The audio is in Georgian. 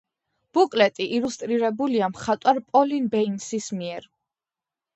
ბუკლეტი ილუსტრირებულია მხატვარ პოლინ ბეინსის მიერ.